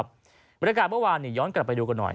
บรรยากาศเมื่อวานย้อนกลับไปดูกันหน่อย